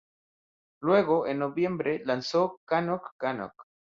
Luego, en noviembre, lanzó "Knock Knock".